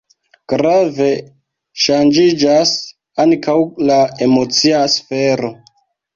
Grave ŝanĝiĝas ankaŭ la emocia sfero.